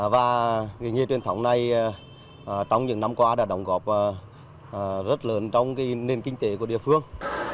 và nghề truyền thống này trong những năm qua đã đóng góp rất lớn trong nền kinh tế của địa phương